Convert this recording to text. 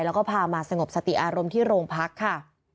แล้วก็พามาสงบสติอารมณ์ที่โรงพักค่ะ